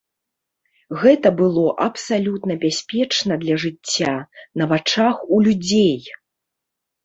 Гэта было абсалютна бяспечна для жыцця, на вачах у людзей.